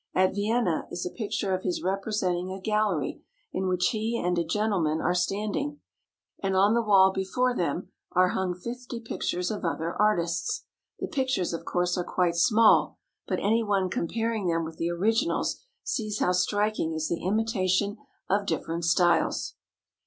At Vienna is a picture of his representing a gallery in which he and a gentleman are standing, and on the wall before them are hung fifty pictures of other artists. The pictures, of course, are quite small, but any one comparing them with the originals sees how striking is the imitation of different styles.